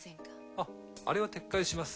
ああれは撤回します。